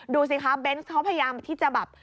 ดูสิคะเบนส์เขาพยายามที่จะแบบ